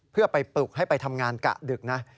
เพื่อไปปลุกให้ไปทำงานกะดึกนะ